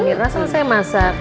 mirna selesai masak